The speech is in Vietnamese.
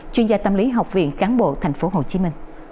chuyên gia tâm lý học viện cán bộ tp hcm